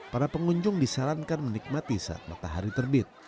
para pengunjung disarankan menikmati saat matahari terbit